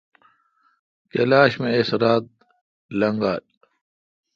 اس کلاش می اس رات لیگلا۔